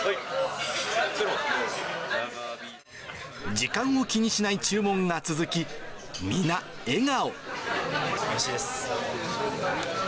時間を気にしない注文が続き、おいしいです。